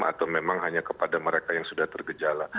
atau memang hanya kepada mereka yang sudah tergejala